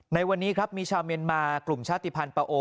ในวันนี้ครับมีชาวเมียนมากลุ่มชาติภัณฑ์ปะโอ